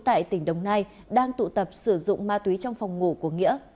tại tỉnh đồng nai đang tụ tập sử dụng ma túy trong phòng ngủ của nghĩa